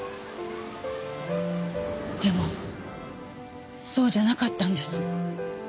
でもそうじゃなかったんです。